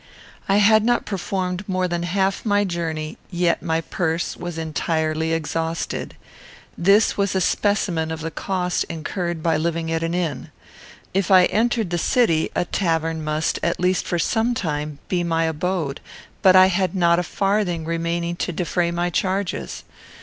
I had not performed more than half my journey, yet my purse was entirely exhausted. This was a specimen of the cost incurred by living at an inn. If I entered the city, a tavern must, at least for some time, be my abode; but I had not a farthing remaining to defray my charges.